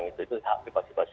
kita pegang itu itu aplikasi